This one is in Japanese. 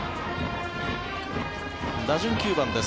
打順、９番です。